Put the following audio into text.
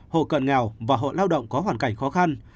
hộ cận nghèo và hộ lao động có hoàn cảnh khó khăn